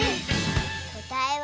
こたえは。